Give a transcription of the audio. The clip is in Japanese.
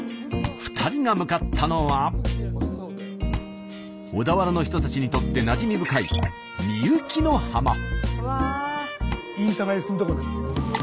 ２人が向かったのは小田原の人たちにとってなじみ深いスタジオインスタ映えするとこ。